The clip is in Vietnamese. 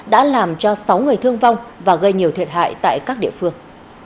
đã làm cho sáu người thương vong và gây nhiều thiệt hại tại các địa phương